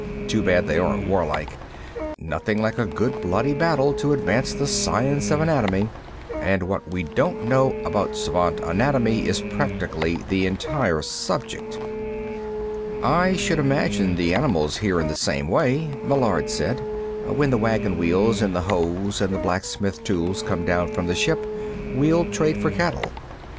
Too bad they aren't warlike. Nothing like a good bloody battle to advance the science of anatomy, and what we don't know about Svant anatomy is practically the entire subject." "I should imagine the animals hear in the same way," Meillard said. "When the wagon wheels and the hoes and the blacksmith tools come down from the ship, we'll trade for cattle."